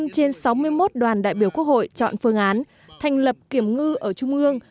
một mươi trên sáu mươi một đoàn đại biểu quốc hội chọn phương án thành lập kiểm ngư ở trung ương